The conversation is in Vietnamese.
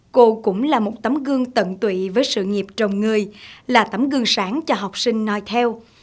cô cũng là một tấm gương tận tụy với sự nghiệp chồng người là tấm gương sáng cho học sinh nói theo